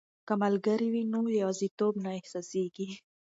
که ملګري وي نو یوازیتوب نه احساسیږي.